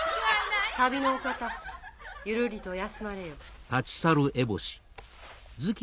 旅のお方ゆるりと休まれよ。